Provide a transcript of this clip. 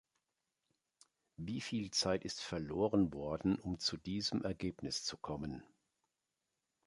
Wie viel Zeit ist verloren worden, um zu diesem Ergebnis zu kommen!